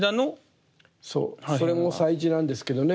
そうそれも彩磁なんですけどね